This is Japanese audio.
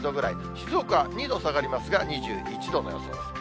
静岡は２度下がりますが、２１度の予想です。